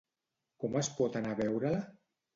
Com es pot anar a veure-la?